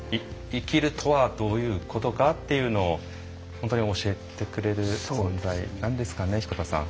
生きるとはどういうことかっていうのを本当に教えてくれる存在なんですかね彦田さん。